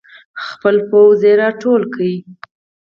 خپل پوځ یې راغونډ کړ.